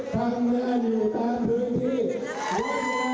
ต้องช่วยแปลอีกนิดนึงเพราะว่าเสียงสินหวัง